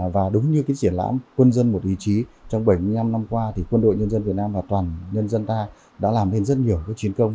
và đúng như cái triển lãm quân dân một ý chí trong bảy mươi năm năm qua thì quân đội nhân dân việt nam và toàn nhân dân ta đã làm nên rất nhiều cái chiến công